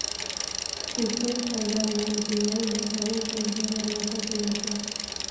کوکو چینل وایي دېوال ماتول پرېږده دروازه جوړه کړه.